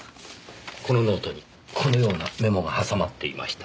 このノートにこのようなメモが挟まっていました。